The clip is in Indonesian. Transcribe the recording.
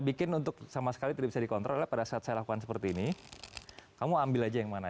bikin untuk sama sekali tidak bisa dikontrol pada saat saya lakukan seperti ini kamu ambil aja yang mana